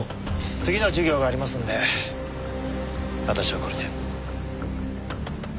次の授業がありますので私はこれで。